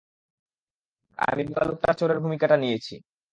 আর আমি বোকা লোকটা চোরের ভূমিকাটা নিয়েছি।